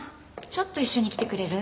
ちょっと一緒に来てくれる？